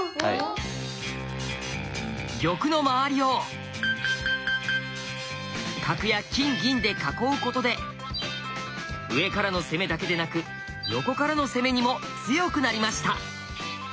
玉の周りを角や金銀で囲うことで上からの攻めだけでなく横からの攻めにも強くなりました。